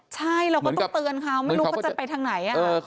ใช่เราก็ต้องเตือนเขาไม่รู้เขาจะไปทางไหน